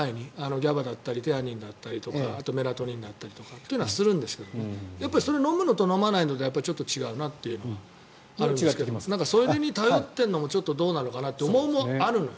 ギャバだったりテアニンだったりとかメラトニンだったりとかそういうことはするんですがやっぱりそれを飲むのと飲まないのでは違うなというのはあるんですけどそれに頼っているのもどうなのかなという思いもあるのよ。